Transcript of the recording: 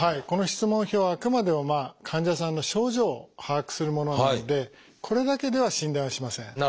この質問票はあくまでも患者さんの症状を把握するものなのでこれだけでは診断はしません。